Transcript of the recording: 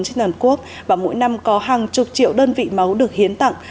trên toàn quốc và mỗi năm có hàng chục triệu đơn vị máu được hiến tặng